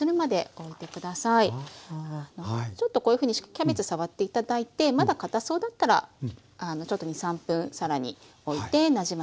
ちょっとこういうふうにキャベツ触って頂いてまだかたそうだったらちょっと２３分更においてなじませて下さい。